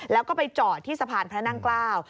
แล้วก็ไปจอดที่สะพานพระนั่งเกล้า